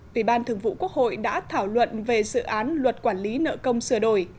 ủy ban thường vụ quốc hội đã thảo luận về dự án luật quản lý nợ công sửa đổi